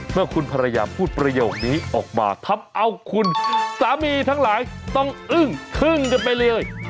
เมื่อคุณภรรยาพูดประโยคนี้ออกมาทำเอาคุณสามีทั้งหลายต้องอึ้งทึ่งกันไปเลย